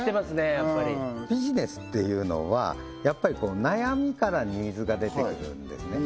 やっぱりビジネスっていうのはやっぱり悩みからニーズが出てくるんですね